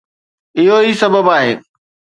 اهو ئي سبب آهي